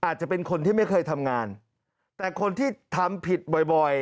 อาจจะเป็นคนที่ไม่เคยทำงานแต่คนที่ทำผิดบ่อยบ่อย